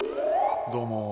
どうも。